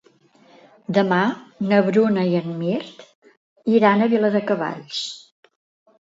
Demà na Bruna i en Mirt iran a Viladecavalls.